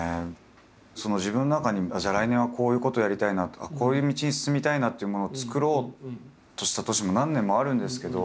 自分の中にじゃあ来年はこういうことやりたいなとかこういう道に進みたいなというものを作ろうとした年も何年もあるんですけど。